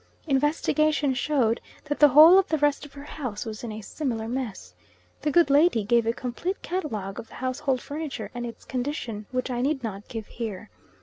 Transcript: Investigation showed that the whole of the rest of her house was in a similar mess. The good lady gave a complete catalogue of the household furniture and its condition, which I need not give here.